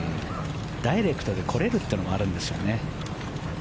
ダイレクトで来れるというのもあるんですよね。